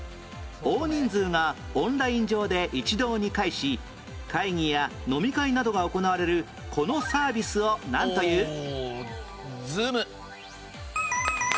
大人数がオンライン上で一堂に会し会議や飲み会などが行われるこのサービスをなんという？